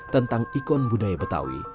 tentang ikon budaya betawi